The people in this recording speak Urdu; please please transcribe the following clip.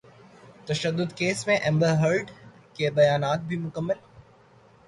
تشدد کیس میں امبر ہرڈ کے بیانات بھی مکمل